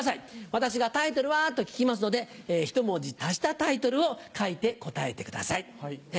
私が「タイトルは？」と聞きますのでひと文字足したタイトルを書いて答えてください。